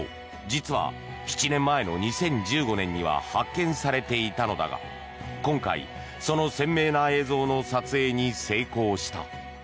実は、７年前の２０１５年には発見されていたのだが今回、その鮮明な映像の撮影に成功した。